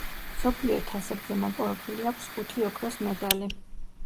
მსოფლიო თასებზე მოპოვებული აქვს ხუთი ოქროს მედალი.